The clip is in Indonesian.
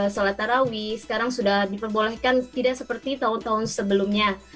sholat tarawih sekarang sudah diperbolehkan tidak seperti tahun tahun sebelumnya